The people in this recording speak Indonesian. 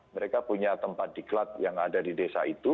mereka punya tempat diklat yang ada di desa itu